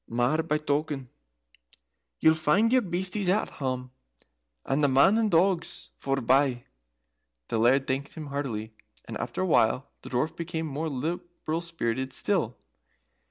Mair by token, ye'll find your beasties at hame, and the men and the dogs forebye." The Laird thanked him heartily, and after a while the Dwarf became more liberal spirited still.